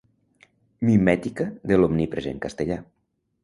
Mimètica de l'omnipresent castellà.